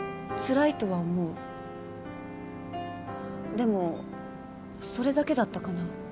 でもそれだけだったかな？